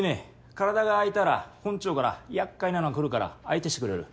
体が空いたら本庁から厄介なの来るから相手してくれる？